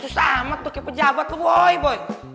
susah amat tuh kayak pejabat tuh boy boy